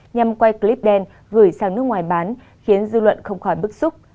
nhằm quay clip đen gửi sang nước ngoài bán khiến dư luận không khỏi bức xúc